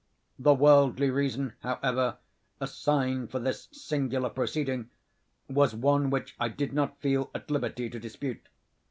The worldly reason, however, assigned for this singular proceeding, was one which I did not feel at liberty to dispute.